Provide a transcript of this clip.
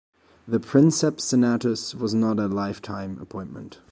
The "princeps senatus" was not a lifetime appointment.